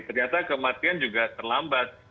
ternyata kematian juga terlambat